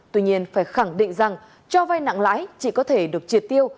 tuy nhiên phải khẳng định rằng cho vai nặng lãi chỉ có thể được triệt tiêu